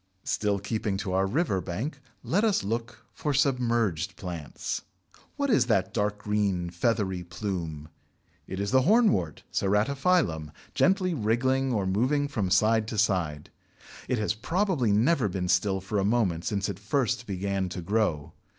Still keeping to our river bank, let us look for submerged plants. What is that dark green feathery plume? It is the Hornwort (Ceratophyllum) gently wriggling or moving from side to side. It has probably never been still for a moment since it first began to grow.